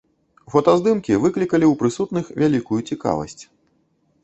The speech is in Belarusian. Фотаздымкі выклікалі ў прысутных вялікую цікавасць.